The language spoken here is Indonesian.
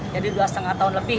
jadi dua setengah tahun lebih